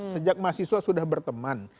sejak mahasiswa sudah berteman